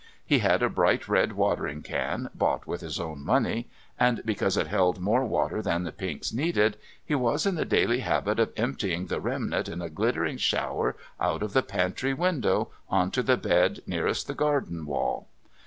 He had a bright red watering can, bought with his own money, and, because it held more water than the pinks needed, he was in the daily habit of emptying the remnant in a glittering shower out of the pantry window on to the bed nearest the garden wall.